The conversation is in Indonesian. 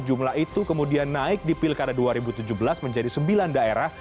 jumlah itu kemudian naik di pilkada dua ribu tujuh belas menjadi sembilan daerah